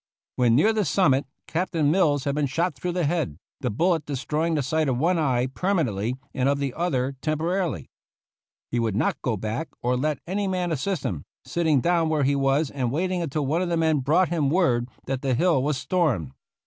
When near the summit Captain Mills had been shot through the head, the bullet destroying the sight of one eye permanently and of the other tempo rarily. He would not go back or let any man assist him, sitting down where he was and wait ing until one of the men brought him word that the hill was stormed.